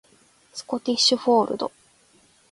スコティッシュフォールド